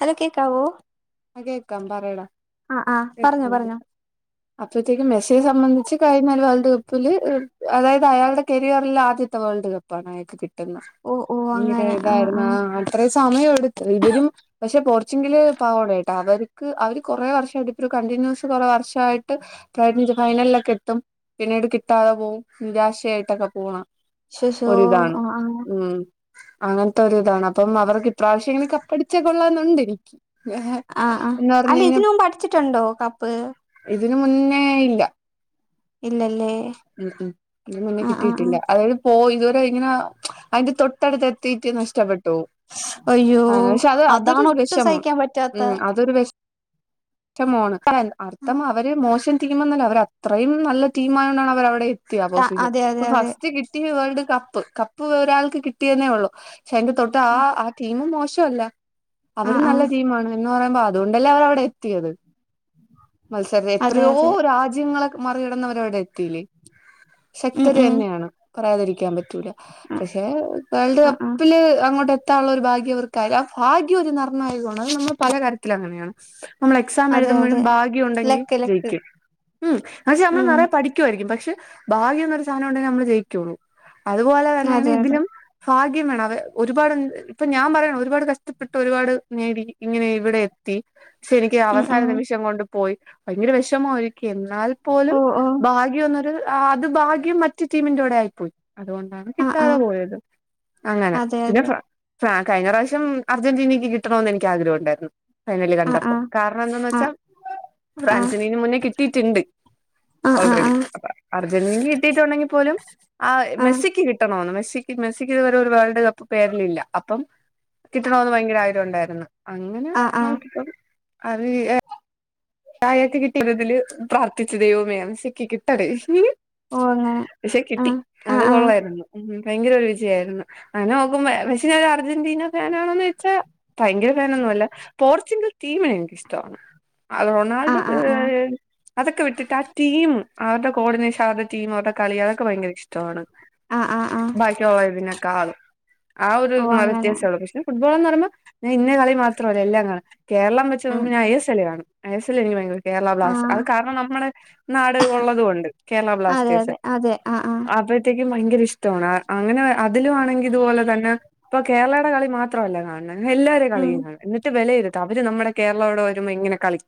Hello കേക്കാവോ ആഹ് കേക്കാം പറയെടാ ആ ആ പറഞ്ഞോ കേക്കം [inaudible] അപ്പത്തേക്കും മെസ്സിയെ സംബന്ധിച്ച് കഴിഞ്ഞ വേൾഡ് കപ്പില് അതായത് അയാളുടെ കരിയറിൽ ആദ്യത്തെ വേൾഡ് കപ്പാണ് മയത്തു കിട്ടുന്ന ഓ ഓ ഇങ്ങ അങ്ങനെ ആ ഇതായിരുന്നു ആ ആഹ് ഇത്രേം സമയം എടുത്ത് ഇവരും പക്ഷെ പോർച്ചിങ്കലേ പവ്വെർഡ് ട്ടഅവരക്ക് അവര് കൊറേ വർഷായിട്ട് ഇപ്പ കണ്ടിന്യൂസ് കൊറെ വർഷായിട്ട് കാഡ്മിലെ ഫൈനലിലൊക്കെ എത്തും പിന്നീട് കിട്ടാതെ പോകും നിരാശയായിട്ടൊക്കെ പോണെ ശശോ ഒരിതാണ് ആ ഉം അങ്ങനത്തെ ഒരു ഇതാണ് അപ്പം അവർക്ക് ഇപ്രാവശ്യം ഇങ്ങനെ കപ്പടിച്ചാ കൊള്ളാന്നുണ്ടിരിക്ക് ആഹ് ആഹ് അല്ല ഇതിനുമ്പ് അടിച്ചിട്ടുണ്ടോ കപ്പ് ഇതിന് മുന്നേ ഇല്ല ഇല്ലല്ലേ ഉം ഉം ഇതിനുമുന്നെ ആ ആ ആ കിട്ടീട്ടില്ല അതായത് ഓഹ് ഇതുവരെ ഇങ്ങനെ അതിന്റെ തൊട്ടടുത്തെത്തീട്ട് നഷ്ടപ്പെട്ടു ശ്ശ് അയ്യോ അങ്ങനെ പക്ഷെ അത് അതൊരു അതാണൊട്ടും വിഷമം സഹിക്കാൻ പറ്റാത്തെ ഉം അതൊരു വിഷമമാണ് അർത്ഥം അവരെ മോശം ടീംമെന്ന് അവര് അത്രയും നല്ല ടീമായോണ്ടാണ് അവരവിടെ എത്തിയ ആ പോസിഷൻ അതെ അതെ അപ്പൊ അതെ ഫസ്റ്റ് കി ട്ടി വേൾഡ് കപ്പ് കപ്പ് ഒരാൾക്ക് കിട്ടിയെന്നേ ഒള്ളു ക്ഷേ എന്റെ തൊട്ട് ആ ആ ടീമും മോശവല്ല ആ അവരും ആ നല്ല ടീമാണ് ന്ന് പറയുമ്പം അതുകൊണ്ടല്ലേ അവരവിടെ എത്തിയത് മത്സര അതെ എത്രയോ അതെ രാജ്യങ്ങള് മറികടന്നവരവിടെ എത്തിയില്ലേ ഉം ശക്തര് ഉം തന്നെയാണ് പറയാതിരിക്കാൻ പറ്റൂല പക്ഷെ വേൾഡ് ആ ആ കപ്പില് അങ്ങോട്ടെത്താനൊള്ള ഒരു ഭാഗ്യവർക്ക് ആരുന്നു ആ ഫാഗ്യ ഒരു നിർണായകമാണ് അത് നമ്മൾ പല കാര്യത്തിലും അങ്ങനെയാണ് നമ്മള് എക്സാം അതെ അതെ എഴുതുമ്പഴും ഭാഗ്യം ഒണ്ടെങ്കിൽ ലക്ക് ലക്ക് ജയിക്കും ഉം പക്ഷെ നമ്മള് ഉം നെറയെ പഠി ക്കുവായിരിക്കും പക്ഷെ ഭാഗ്യം എന്നൊരു സാധനം ഒണ്ടെ നമ്മള് ജയിക്കുവോ അതുപോലെ തന്നെയാണ് അതെ അതെ ഇതിലും ഫാഗ്യം വേണം അവ ഒരുപാട് ഇപ്പൊ ഞാൻ പറയാണ് ഒരുപാട് കഷ്ടപ്പെട്ട് ഒരുപാട് നേടി ഇങ്ങനെ ഇവിടെ എത്തി ക്ഷെ എനിക്ക് ഉം അവസാന ഉം നിമിഷം കൊണ്ട് പോയി ഭയങ്കര വിഷമമായിരിക്കും എന്നാൽ ഓ പോലും ഓ ഭാഗ്യംന്നൊരു ആഹ് അത് ഭാഗ്യം മറ്റ് ടീമിന്റെ കൂടെ ആയിപ്പോയി അതുകൊണ്ടാണ് ആ ആ കിട്ടാതെ പോയത് അങ്ങനെ അതെ പിന്നെ അതെ ഫ്രാ ഫ്രാ കഴിഞ്ഞ പ്രാവശ്യം അർജന്റീനക്ക് കിട്ടണോന്ന് എനിക്ക് ആഗ്രഹം ഒണ്ടാരുന്നു ഫൈനല് ആ ആ കണ്ടപ്പം കാരണം എന്താന്ന് ആ വെച്ചാ ആ ആ ഫ്രാൻസിന് ഇതിന് മുന്നേ കിട്ടീട്ട്ണ്ട് ആ ആ ഓൾറെഡി അപ്പ അർജന്റീനക്ക്‌ കിട്ടീട്ടൊണ്ടെങ്കിൽ പോലും ആഹ് ആ മെസ്സിക്ക് കിട്ടണോന്ന് മെസ്സിക്ക് മെസ്സിക്കിതുവരെ ഒരു വേൾഡ് കപ്പ് പേരിലില്ല അപ്പം കിട്ടണോന്ന് ഭയങ്കര ആഗ്രഹം ഒണ്ടായിരുന്നു അങ്ങനെ ആ ആ നമുക്കിപ്പം അത് ഞാൻ അയാക്ക് കിട്ടിയ ഇതില് പ്രാർത്ഥിച്ചു ദൈവമേ മെസ്സിക്ക് കിട്ടണേ ഓഹ് അങ്ങനെ പക്ഷെ കിട്ടി ആഹ് ആഹ് അത് കൊള്ളായിരുന്നു ഉം ഭയങ്കര ഒരു വിജയായിരുന്നു അങ്ങനെ നോക്കുമ്പ പക്ഷെ ഞാൻ ഒരു അർജന്റീന ഫാനാണോന്ന് വച്ചാ ഭയങ്കര ഫാനൊന്നുമല്ല പോർച്ചുഗൽ ടീമെനിക്കിഷ്ട്ടവാണ് ആഹ് റൊണാൾഡോ ആഹ് കേ ആഹ് അതൊക്കെ വിട്ടിട്ട് ആ ടീം അവര്ടെ കോർഡിനേഷൻ അവര്ടെ ടീം അവര്ടെ കളി അതൊക്കെ ഭയങ്കര ഇഷ്ടവാണ് ആഹ് ആഹ് ആഹ് ആഹ് ആഹ് ബാക്കി ഉള്ളതിനേക്കാളും ആഹ് ഒരു ഓ [unintelligible] അങ്ങനെ വ്യത്യാസമേ ഒള്ളു പക്ഷെ ഫുട്ബോളെന്നു പറയുമ്പോ ഞാൻ ഇന്ന കളി മാത്രല്ല എല്ലാം കാണും കേരളം വെച്ച് ഉം നോക്കുമ്പോ ഞാൻ എ എസ് എല്ല് കാണും എ എസ് എല്ലെനിക്ക് ഭയങ്കര കേരള ബ്ലാസ് ആഹ് അത് കാരണം നമ്മടെ നാട് ഒള്ളത് കൊണ്ട് കേരള അതെ ബ്ലാസ്റ്റേഴ്സ് അതെ അതെ ആഹ് ആഹ് റ്റക്കും ഭയങ്കര ഇഷ്ടവാണ് ആഹ് അങ്ങനെ അതിലു ആണെങ്കി ഇതുപോലെ തന്നെ ഇപ്പ കേരളേടെ കളി മാത്രല്ല കാണ ന്ന് എല്ലാരുടെ ഉം കളിയും കാണും എന്നിട്ട് വിലയിരുത്തും അവര് നമ്മടെ കേരളോടെ വരുമ്പോ എങ്ങനെ കളി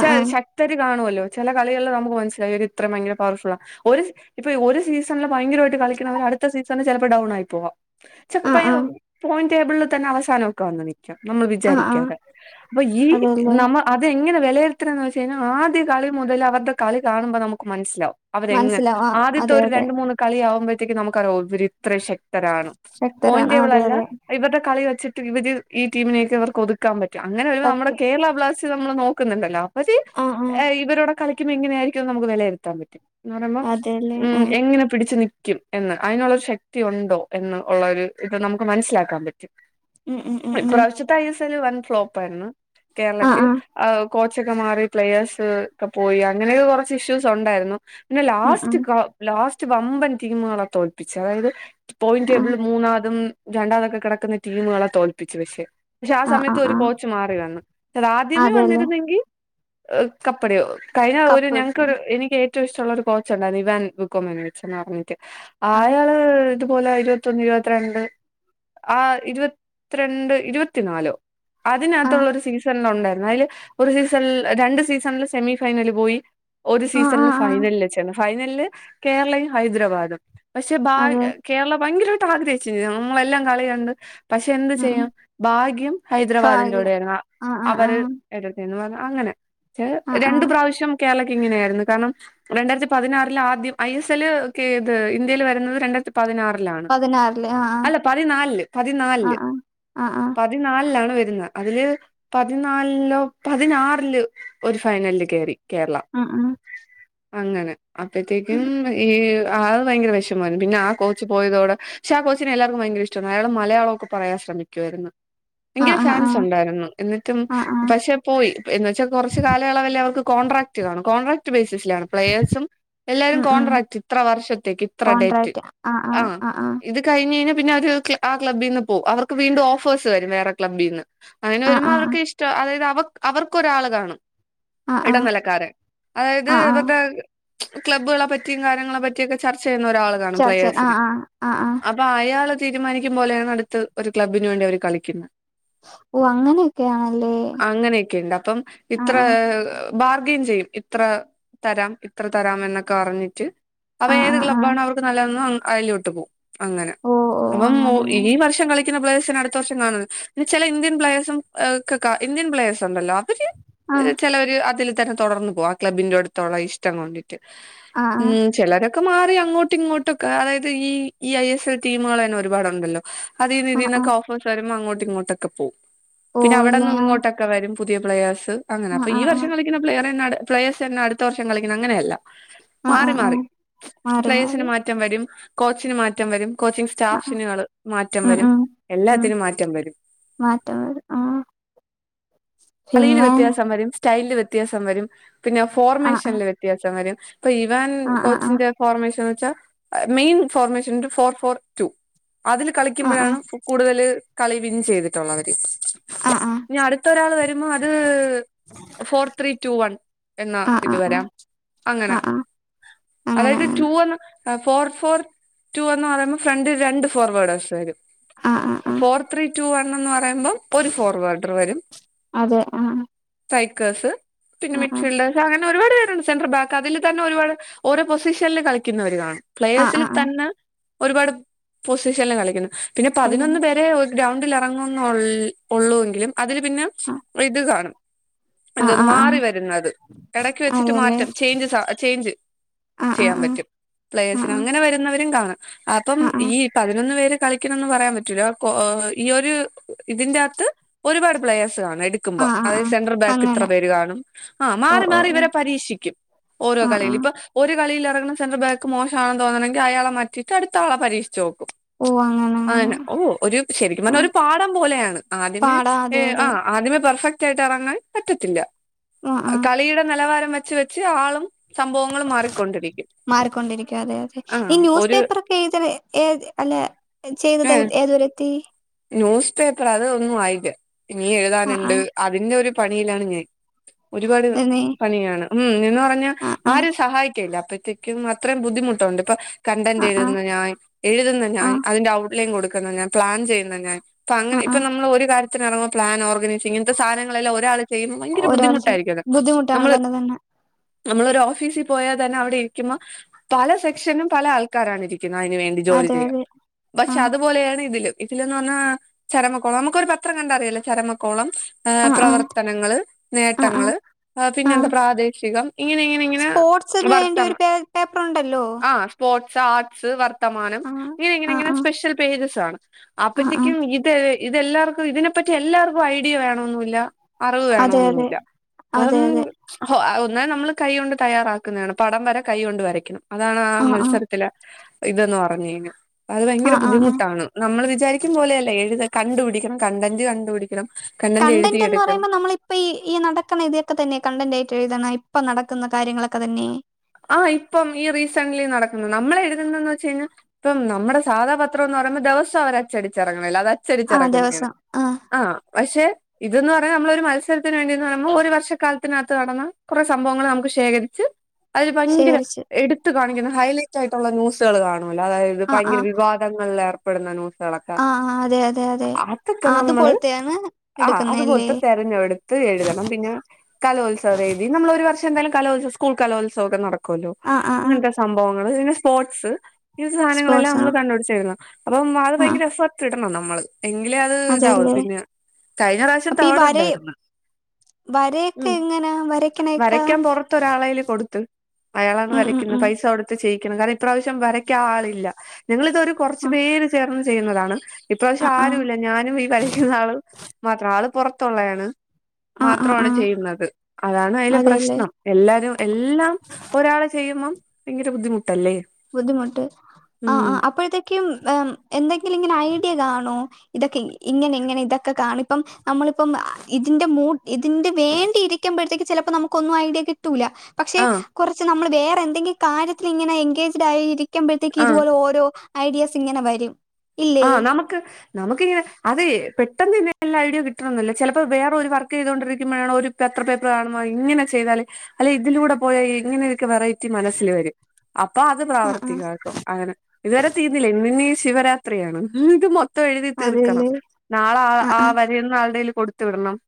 ച ആഹ് ശക്തര് കാണുവല്ലോ ചെല കളികളില് നമുക്ക് മനസ്സിലായി അവര് ഇത്ര ഭയങ്കര പവർഫുള്ളാ ഒരു ഇപ്പ ഒരു സീസണില് ഭയങ്കരവായിട്ട് കളിക്ക്ണവര് അടുത്ത സീസണില് ചെലപ്പോ ഡൗൺ ആയി പോവാം ച ആഹ് പയോ ആഹ് പോയിന്റ് ടേബിളിൽ തന്നെ അവസാനൊക്കെ വന്നു നി ക്ക നമ്മള് ആഹ് ആഹ് വിചാരിക്കാതെ അപ്പൊ ഈ അതെല്ലേ നമ അതെങ്ങനെ വെലയിരുത്തണന്ന് വെച്ച് കഴിഞ്ഞാൽ ആദ്യ കളി മുതൽ അവരുടെ കളി കാണുമ്പോ നമുക്ക് മനസ്സിലാവും അവരെങ്ങനെ മനസ്സിലാവും ആഹ് ആദ്യത്തെ അതെ ഒരു അതെ രണ്ടു മൂന്ന് കളിയാകുമ്പൊഴത്തേക്കും നമുക്കറിയാം ഓ ഇവര് ഇത്ര ശക്തരാണ് ശക്തരാണ് ആ, അതെ പോയിന്റെബിളല്ല അതെ ക ഇവര്ടെ കളി വെച്ചിട്ട് ഇവര് ഈ ടീമിനെയൊക്കെ ഇവർക്ക് ഒതുക്കാൻ പറ്റും അങ്ങനെ നമ്മുടെ പറ്റും കേരളാ ബ്ലാസ് സ് നമ്മള് നോക്കുന്നുണ്ടല്ലോ അപ്പൊത് ആഹ് ആഹ് ഇവരുടെ കളിക്കുമ്പോ ഇങ്ങനെയായിരിക്കുന്ന് നമുക്ക്‌ വെലയിരുത്താൻ പറ്റും എന്ന് പറയുമ്പം അതെല്ലേ ഉം ആഹ് എങ്ങനെ പിടിച്ചു നിക്കും എന്ന് അയിനുള്ളൊരു ശക്തി ഒണ്ടോ എന്ന് ഒള്ളൊരു ഇത് നമുക്ക് മനസ്സിലാക്കാൻ പറ്റും ഉം ഉം ഉം ഉം ഇപ്രാവശ്യത്തെ ഐ എസ്സ് എൽ വൻ ഫ്ലോപ്പായിരുന്നു ആഹ് കേരളക്ക് ആഹ് ആ കോച്ചൊക്കെ മാറി പ്ലേയേഴ്സ് ഒക്കെ പോയി അങ്ങനൊക്കെ കൊറച്ച് ഇഷ്യൂസ് ഒണ്ടാരുന്നു പിന്നെ ഉം ഉം ലാസ്റ്റ് കാ ലാസ്റ്റ് വമ്പൻ ടീമുകളെക്കെ ഒപ്പിച്ച് അതായത് പോയിന്റ് ആഹ് ടേബില് മൂന്നാമതും രണ്ടാമതൊക്കെ കെടക്കുന്ന ടീമുകളെ തോൽപ്പിച്ചു പക്ഷേ പക്ഷെ ആ ആഹ് സമയത്ത് ആഹ് ഒരു ആഹ് കോച്ച് മാറി വന്നു അഭ്യാമേ അതെല്ലേ വന്നിരുന്നെ ങ്കി കപ്പടയോ കഴിഞ്ഞ ഒരു കപ്പ് ഞങ്ങക്ക് കിട്ടും ഒരു എനിക്ക് ഏറ്റ ഏറ്റവും ഇഷ്ടൊള്ള ഒരു കോച്ച് ഒണ്ടായിരുന്ന് ഇവാൻ ബക്കോം എന്ന് വെച്ചന്ന് പറഞ്ഞിട്ട് ആഹ് ആയാള്. ഇതുപോലെ ഇരുപത്തൊന്ന് ഇരുപത്തിരണ്ട് ആ ഇരുപത്തിരണ്ടോ ഇരുപത്തിനാലോ. ആഹ് അതിനകത്തുള്ള ഒരു സീസണില് ഒണ്ട് എന്തായാലും ഒരു സീസൺ രണ്ട് സീസൺല് സെമി ഫൈനില് പോയി ഒരു ആഹ് സീസൺല് ആഹ് ആഹ് ഫൈനല് എ ഫൈനലിന് കേരളയും ഹൈദ്രാബാദും പക്ഷെ ബാ അതെ കേരള ഭയങ്കരായിട്ട് ആഗ്രഹിച്ച് നമ്മളെല്ലാം കളികണ്ട്. പക്ഷെ എന്ത് ഉം ഉം ചെയ്യാം ഭാഗ്യം ഹൈദരാബാദിന്റ കുടേ ഭാഗ്യം ആയിരുന്നു അ ആഹ് അ ആഹ് അവര് ആഹ് എടക്കെന്ന് പറഞ്ഞാ അങ്ങനെ ആഹ് രണ്ടു ആഹ് പ്രാവശ്യം കേരളക്ക് ഇങ്ങനെയായിരുന്നു കാരണം. രണ്ടായിരിത്തി പതിനാറില് ആദ്യം ഐ എസ് എൽ ഒക്കെ ഇത് ഇന്ത്യയിൽ വരുന്നത് രണ്ടായിരിത്തി പതിനാറിലാണ് പതിനാറില് ആഹ് ആഹ് അല്ല പതിനാലില് പതിനാലില് ആഹ് ആഹ് പ തിനാലിലാണ് വരുന്നത് അതില് പതിനാ നല്ലോ പതിനാറില് ഒരു ഫൈനലിൽ കേറി കേരള ആഹ് ആഹ് അങ്ങനെ അപ്പത്തേക്കും ഈഹ് ആഹ് അത് ഭയങ്കര വെഷമായിരുന്നു പിന്നെ ആ കോച്ച് പോയതോടെ ഷാ കോച്ചിനെ എല്ലാർക്കും ഭയങ്കര ഇഷ്ടാ അയാള് മലയാളൊക്കെ പറയാൻ ശ്രമിക്കുവായിരുന്നു. യങ്കര ആഹ് ആഹ് ഫാൻസ് ഉണ്ടായിരുന്നു എന്നിട്ടും ആഹ് ആഹ് ആഹ് ആഹ് ആഹ് പക്ഷെ പോയി എന്ന് വെച്ചാ കെറച്ച് കാലയളവല്ലേ അവർക്ക് കോൺട്രാക്ട് കാണൂ, കോൺട്രാക്ട് ബേസിസിലാണ് പ്ലയേഴ്സും. എല്ലാരും ഉം ഉം കോൺട്രാക്റ്റ് ഇത്ര വർഷത്തേക്ക് ഇത്ര ഡേറ്റ്. കോൺട്രാക്ട് ആഹ് ആഹ് ആഹ് ആഹ് ഇത് കഴിഞ്ഞ് കഴിഞ്ഞാ പിന്നെ അവര് ആ ക്ലബ്ബിന്ന് പോ, അവർക്ക് വീണ്ടും ഓഫേഴ്സ് വരും വേറെ ക്ലബ്ബീന്ന്. അങ്ങനെ ആഹ് വരുമ്പോ ആഹ് അവർക്ക് ഇഷ്ടാ, അതായത് അവ അവർക്ക് ഒരാള് കാണും. ആഹ് ആഹ് ആഹ് എടനിലക്കാര് അതായത് ആഹ് ആഹ് ഇവറടെ ക്ലബ്ബുകളെ പറ്റി കാര്യങ്ങളെ പറ്റിയൊക്കെ ചർച്ച ചെയ്യുന്ന ഒരാള് കാണും ചർച്ച ആഹ് പ്ലെയേഴ്സില് ആഹ് ആഹ് ആഹ് അപ് അപ്പൊ അയാള് തീരുമാനിക്കും പോലെയാണ് അടുത്ത് ഒരു ക്ലബിന് വേണ്ടി അവര് കളിക്കുന്ന്. ഓഹ് അങ്ങനെയൊക്കെയാണല്ലേ. അങ്ങനെയൊക്കെ ഇണ്ട് അപ്പം ആഹ് ഇത്രഹ് ബാർഗെയ്ൻ ചെയ്യും ഇത്ര തരാം ഇത്ര തരാം എന്നൊക്കെ പറഞ്ഞിട്ട്. അവ ആഹ് ഏത് ആഹ് ആഹ് ആഹ് ക്ലബാണ് അവർക്ക് നല്ലതെന്ന് അതിലോട്ട് പോകും. അങ്ങനെ ഓഹ് ഓഹ് അപ്പം മൂ അങ്ങനെ അങ്ങനെ ഈ വർഷം കളി പ്ലെഴേസിന് അടുത്ത വർഷം കാണൂല പിന്നെ ചില ഇന്ത്യൻ പ്ലെയേസും ഒക്കെ ഇന്ത്യൻ പ്ലെയേസ് ഒണ്ടല്ലോ അവര്. ആഹ് ചെലവര് അതിൽ തന്നെ തെടർന്നു പോവും ആ ക്ലബ്ബിന്റെ എടുത്തുള്ള ഇഷ്ടം കൊണ്ടിട്ട് ആഹ് ആഹ് ഉം. ചിലരൊക്കെ മാറി അങ്ങോട്ടും ഇങ്ങോട്ടൊക്കെ അതായത് ഈ ഈ ഐ എസ് എൽ ടീമുകൾ തന്നെ ഒരുപാടുണ്ടല്ലോ. അതീന് ആഹ് ഇതിന്നൊക്കെ ആഹ് ഓഫേഴസ് വരുമ്പോ അങ്ങോട്ടും ഇങ്ങോട്ടൊക്കെ പോവും. പിന്നെ ഓഹ് ഇല്ല അവിടന്നും ഇങ്ങോട്ടെ ഒക്കെവരും പുതിയപ്ലെഴേസ് അങ്ങനെ, ആഹ് അപ്പൊ ഈ ആഹ് ആഹ് വർഷം കളിക്കണ പ്ലെയറെന്നെ പ്ലേഴേസെന്നെ അടുത്ത വർഷം കളിക്കുന്നെ അങ്ങനെയല്ല. ആഹ് ആഹ് മാറി ആഹ് മാറി ആഹ് മാറി പ്ലെഴേസിന് മാറി മാറ്റം വരും, കോച്ചിന് മാറ്റം വരും, കോച്ചി ആഹ് ആഹ് സ്റ്റാഫിനുകൾ മാറ്റം ഉം വരും, ഉം ഉം എല്ലാത്തിനും മാറ്റം വരും. മാറ്റം വരും. ആഹ് കളിയില് പിന്നെ വ്യത്യാസം വരും, സ്റ്റൈലില് വ്യത്യാസം വരും, പിന്നെ ആഹ് ഫോർമേഷൻല് വ്യത്യാസം വരും. അപ്പൊ ഈവാൻ ആഹ് ആഹ് കോച്ചിന്റെ. ഫോർമേഷൻ എന്ന് വെച്ചാ main formation four four two അതിൽ ആഹ് ആഹ് കളിക്കുമ്പഴാണ് സൂ കൂടുതൽ കളി വിൻ ചെയ്തിട്ടുള്ളവര്, ആഹ് ഇനി അടുത്തൊരാൾ വരും. മ്മ അത് ഫോർ ത്രീ ടു വൺ. എന്നാ ആഹ് ആഹ് ഇത് ആഹ് ആഹ് ആഹ് വരാം അങ്ങനെ. ആഹ് ആഹ് അങ്ങനെ അതായത് അങ്ങനെ റ്റു ഒന്ന് ഫോർ ഫോർ റ്റു എന്ന് പറയുമ്പോ ഫ്രണ്ടിൽ രണ്ട് ഫോർവേഡേയ്സ് വരും. ആഹ് ആഹ് ആഹ് ഫോർ ത്രീ റ്റു വൺ എന്ന് പറയുമ്പം ഒരു ഫോർവാട്ടർവരും. അതെ ആഹ്. തൈക്കേഴ്സ്, പിന്നെ ആഹ് ആഹ് മിറ്റ്ഫീൽഡേഴ്സ്, അങ്ങ ഒരുപാട് പേരുണ്ട് സെൻട്രൽ ബാക്ക് അതിൽ തന്നെ ഒരുപാട് ഓരോ പൊസിഷല് കളിക്കുന്നവര് കാണും. ആഹ് പ്ലയെർസിന് ആഹ് ആഹ് തന്നെ ഒരുപാട് പൊസിഷനിൽ കളിക്കുന്നു, പിന്നെ പതിനൊന്ന് കളിക്കുന്നു പേരെ ഒരു ഗ്രൗണ്ടിലറങ്ങുന്നു ഒള്ള് ഒള്ളൂ എങ്കിലും, അതിന് പിന്നെ ഇത് കാണും. ആഹ് എന്തോന്ന് ആഹ് ആഹ് ആഹ് മാറി വരുന്നത്, ഇടക്ക് വെച്ചിട്ട് അതല്ലേ മാറ്റം ചേയ്ഞ്ചസ് ചെയ്ഞ്ജ്. ആഹ് ചെയ്യാം ആഹ് പറ്റും, പ്ലയേഴ്‌സിന് ആഹ് അങ്ങനെ വരുന്നവരും കാണാം അപ്പം ആഹ് ആഹ് ഈ പതിനൊന്ന് പേര് കളിക്കണന്ന് പറയാൻ പറ്റൂല്ലാ ഓ ഈ ഒരു ഇതിന്റെ അകത്ത് ഒരുപാട് പ്ലയേഴ്‌സ് കാണും എട് ക്കുമ്പോ, ആഹ് ആഹ് ആഹ് അതായത് ആഹ് സെൻട്രൽ ബാക്ക് ഇത്ര അങ്ങനെ പേര് കാണും, ആ ഓഹ് മാറി ഓഹ് മാറി ഓഹ് ഇവരെ പരീക്ഷിക്കും. ഓരോ ആഹ് കളിയില് ആഹ് ഇപ്പൊ ഒരു കളിയില് ഇറങ്ങണ സെന്റർ ബാക്ക് മോശമാണെന്ന് തോന്നണെങ്കി അയാള മാറ്റിയിട്ട് അടുത്താളെ പരീക്ഷച്ച് നോക്കും. ഓഹ് അങ്ങനെ. അങ്ങനെ അതന്നെ ഓ ഒരു ശരിക്കും പറഞ്ഞ ആഹ് ഒരു പാടം പോലെയാണ്, ആദ്യമേ പാടാ മേ അതെ അതെ ആഹ് ആദ്യമേ പെർഫക് ആയിട്ട് ഇറങ്ങാൻ പറ്റത്തില്ല, ആഹ് ആഹ് കളിയുടെ നിലവാരം വെച്ച് വെച്ച് ആളും സംഭവങ്ങളും മാറിക്കൊണ്ട് മാറിക്കൊണ്ടിരിക്കും, അതെ അതെ ഈ ന്യൂസ് ഒരു പേപ്പർ ഒക്കെ ഇത് അല്ലാ. ചെയ്തത് ഏഹ് ഏതുവരെയെത്തി? ന്യൂസ് പേപ്പർ അത് ഒന്നും ആയില്ല, ഇനീ ആഹ് എഴുതാനുണ്ട് ആഹ് അതിന്റെ ഒരു പണിയിലാണ് ഞാൻ. ഒരുപാട് തന്നെ പണിയാണ് ഉം, എന്ന് പറഞ്ഞാ ആഹ് ആഹ് ആരും സഹായിക്കല്ല അപ്പത്തേക്ക് അത്രം ബുദ്ധിമുട്ടുണ്ട് ഇപ്പൊ കണ്ടന്റ് ആഹ് ആഹ് എഴുതുന്ന ഞാൻ എഴുതുന്ന ഞാൻ ആഹ് അതിന്റെ ഔട്ട്ലൈൻ കൊടുക്കുന്ന ഞാൻ പ്ലാൻ ചെയ്യുന്ന ഞാൻ അപ്പൊ അങ്ങനെ ആഹ് ഇപ്പ ആഹ് നമ്മള് ഒരു കാര്യ ത്തിന് ഇറങ്ങുമ്പോ പ്ലാൻ ഓർഗനൈസിംഗ് ഇങ്ങൻത്തെ സാധനങ്ങളെല്ലാം ഒരാള് ചെയ്യുമ്പോൾ ഭയങ്കര ഒരാൾ ബുദ്ധിമുട്ടായിരിക്കും അത് ബുദ്ധിമുട്ടാണ് നമ്മള് തന്നെ തന്നെ നമ്മളൊരു ഓഫീസി പോയാൽ തന്നെ അവടെ ഇരിക്കുമ്പോ പല സെക്ഷനും പല ആൾക്കാരാണ് ഇരിക്കുന്നത് അയ്ന് വേണ്ടി ജോലി അതെ ചെയ്യാൻ, അതെ പക്ഷെ ആഹ് അതുപോലെയാണ് ഇതിലും. ഇതെന്ന് പറഞ്ഞാ ചരമക്കോളം നമുക്കൊ ഒരു പത്രം കണ്ടാറിയാല്ലേ ചരമക്കോളം. ഏഹ് ആഹ് ആഹ് പ്രവർത്തനങ്ങള് ആഹ് ആഹ് നേട്ടങ്ങള്. ആഹ്, പിന്നെ എന്താ പ്രാദേശികം ഇങ്ങനെ ഇങ്ങനെ ഇങ്ങനെ [unintelligible] വേണ്ടി ഒരു വർത്തമാ പെ പേപ്പർ ഉണ്ടല്ലോ. ആഹ് സ്പോർട്സ്, ആർട്സ്, വർത്തമാനം, ആ ആ ഇങ്ങനിങ്ങനിങ്ങനെ ആ സ്പെഷ്യൽ പേജസ് ആണ്. ആ ആ അപ്പത്തേക്കും ഇത് ഇതെല്ലാർക്കും ഇതിനെപ്പറ്റി എല്ലാർക്കും ഐഡിയ വേണൊന്നുല്ല. അറിവ് അതെ അതെ വേണോന്നുല്ല അതെ അതെ [unintelligible] ഒന്നേ നമ്മള് കൈ കൊണ്ട് തയ്യാറാക്കുന്നതാണ് പടം വരെ കൈ കൊണ്ട് വരയ്ക്കണം അതാണ് ആ മത്സര ഇതെന്ന് പറഞ്ഞു കഴിഞ്ഞാ, അത് ആ ഭയങ്കര ആ ആ ബുദ്ധിമുട്ടാണ് നമ്മള് വിജ വിചാരിക്കും പോലെയല്ല എഴുത കണ്ടു പിടിക്കണം കൺടെന്റ് കണ്ടുപിടിക്കണം കൺടെന്റ് എഴുതിയെടുക്കണം. ഇപ്പൊ ഈ ഈ നടക്കുന്ന ഇതൊക്കെ തന്നെ കണ്ടന്റായിട്ട് എഴുതണ ഇപ്പൊ നടക്കുന്ന കാര്യങ്ങളൊക്കെ തന്നെ. ആഹ്, ഇപ്പം ഈ റീസെന്റ്ലി നടക്കുന്ന നമ്മളെഴുതുന്നേന്ന് വെച്ച് കഴിഞ്ഞാ ഇപ്പം നമ്മുടെ സാധാപത്രം എന്ന് പറയുമ്പോ ദിവസം അവര് അച്ചടിച്ചിറങ്ങണല്ലേ അത് ആ അച്ചടിച്ചിറങ്ങുന്നേണ്. ദിവസം ആ ആഹ്, പക്ഷെ ഇതന്ന് പറഞ്ഞ നമ്മളൊരു മത്സരത്തിന് വേണ്ടിന്ന് പറയുമ്പോൾ ഒരു വർഷക്കാലത്തിനകത്ത് നടന്ന കുറെ സംഭവങ്ങൾ നമുക്ക് ശേഖരിച്ച് അതിൽ ഭയങ്കര ശേഖരിച്ച് എടുത്ത് കാണിക്കുന്ന ഹൈലൈറ്റ് ആയിട്ടുള്ള ന്യൂസുകള് കാണുല്ലോ അതായത് ആ ആ ഭയങ്കര വിവാദ വിവാദങ്ങള് ഏർ ന്യൂസുകളൊക്കെ ആ ആ അതെ അതെ അതെ അതൊക്കെ നമ്മള് അതുപോലത്തെയാണ് ആ എടുക്കുന്നല്ലേ അതുപോൽത്തെ തിരഞ്ഞെടുത്ത് ത്ത് എഴുതണം, പിന്നെ കലോത്സവ വേദി നമ്മള് ഒരു വർഷം എന്തായാലും കലോത്സവം സ്കൂൾ കലോത്സവൊക്കെ നട നടക്കുവല്ലോ, ആ ആ ആ അങ്ങനത്തെ സംഭവങ്ങള് പിന്നെ സ്പോർട്സ് ഈ സാധനങ്ങളെല്ലാം സ്പോർട്സ് ആ നമ്മള് കണ്ടു പിടിച്ചെഴുതണം, അപ്പം അത് ആ ഭയങ്കര എഫർട്ട് ഇടണം നമ്മള്. എങ്കിലേ അത് ഇതാവുള്ളു അതെല്ലേ പിന്നെ കഴിഞ്ഞ പ്രാവശ്യം അപ്പൊ ഈ തേർഡ് വര ഉണ്ടായിരുന്നു. വരയൊക്കെ ഉം എങ്ങനാ വരക്കണെ ഒക്കെ വരയ്ക്കാൻ പുറത്തൊരാളയില് കൊടുത്തു അയാളാണ് ഉം ഉം വരയ്ക്കുന്നത് ഉം പൈസ കൊടുത്ത് ചെയ്യിക്കുന്നത് കാരണം ഇപ്രാവശ്യം വരയ്ക്കാൻ ആളില്ല ഞങ്ങളിതൊരു കുറച്ചു ആ പേര് ചേർന്ന് ചെയ്യുന്നതാണ് ആ ഇപ്രിവശ്യം ആ ആരും ഇല്ല ഞാനും ഈ വരക്കുന്ന ആളും മാത്രം ആള് പുറത്തുള്ളയാണ് ആ ആ മാത്രമാണ് ആ ചെയ്യുന്നത് അതാണ് അതിലേ അതെല്ലേ പ്രശ്നം എല്ലാരും എല്ലാം ഒരാളെ ചെയ്യുമ്പം ഭയങ്കര ബുദ്ധിമുട്ടല്ലേ ബുദ്ധിമുട്ട് ആഹ് ഉം ആഹ് അപ്പോഴത്തേക്കും എന്തെങ്കിലും ഇങ്ങനെ ഐഡിയ കാണുവോ ഇതൊക്കെ ഇങ്ങനെ ഇങ്ങനെ ഇതൊക്കെ കാണിപ്പം നമ്മളിപ്പം ഇതിന്റെ മൂ ഇതിന്റെ വേണ്ടി ഇരി ക്കുമ്പോഴത്തേക്ക് ചിലപ്പോ നമുക്ക് ഒന്നും ഐഡിയ കിട്ടൂല പക്ഷെ ആഹ് കുറച്ച് നമ്മൾ വേറെ എന്തെങ്കിലും കാര്യത്തിൽ ഇങ്ങനെ എൻഗേജ്ഡ് ആയിരിക്കുമ്പോഴത്തേക്ക് ആഹ് ഇതുപോലെ ഓരോ ഐഡിയാസിങ്ങനെ വരും ഇല്ലേ ആഹ് നമു നമുക്കിങ്ങനെ അതെ പെട്ടന്നല്ല ഐഡിയ കിട്ടണമെന്നില്ല ചിലപ്പോ വേറെ ഒരു വർക്ക് ചെയ്തൊണ്ടിരിക്കുമ്പോഴാണോ ഒരു എത്ര പേപ്പർ കാണുമോ ഇങ്ങനെ ചെയ്താൽ അല്ലെ ഇതിലൂടെ പോയ ഇങ്ങനെയൊക്കെ വെറൈറ്റി മനസ്സിൽ വരും അപ്പൊ അത് ആഹ് ആഹ് പ്രാവർത്തികാക്കും അങ്ങനെ ഇതുവരെ തീർന്നില്ല ഇന്ന് ഇനി ശിവരാത്രി ത്രിയാണ് ഇന്ന് മൊത്തം എഴുതി തീർക്കണം അതെല്ലേ നാളെ ആഹ് ആഹ് ആവ എഴുതുന്ന ആളുടെ കൈയ്യിൽ കൊടുത്തുവിടണം